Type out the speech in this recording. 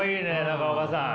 中岡さん。